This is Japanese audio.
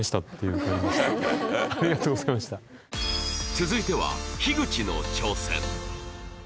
続いては樋口の挑戦